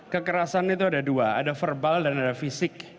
kekerasan itu ada dua ada verbal dan ada fisik